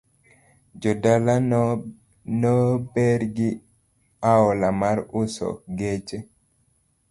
Jodala no ber gi oala mar uso geche